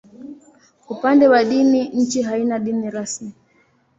Upande wa dini, nchi haina dini rasmi.